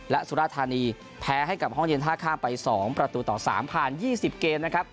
และสุราธานีแพ้ให้กับห้องเย็นท่าข้ามไป๒ประตูต่อ๓ผ่าน๒๐เกมนะครับ